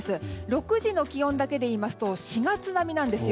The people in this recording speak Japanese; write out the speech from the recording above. ６時の気温だけでいいますと４月並みなんですよ。